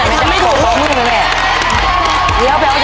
เริ่มครับ